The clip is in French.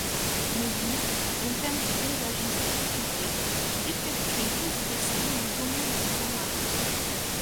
Neville, un peintre-paysagiste réputé, d'effectuer douze dessins du domaine de son mari.